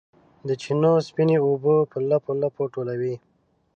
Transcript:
د چینو سپینې اوبه په لپو، لپو ټولوي